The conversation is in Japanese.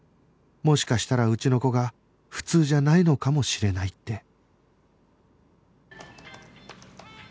もしかしたらうちの子が普通じゃないのかもしれないって